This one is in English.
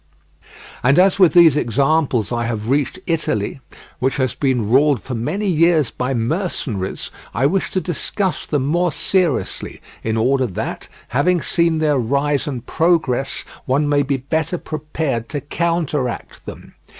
And as with these examples I have reached Italy, which has been ruled for many years by mercenaries, I wish to discuss them more seriously, in order that, having seen their rise and progress, one may be better prepared to counteract them.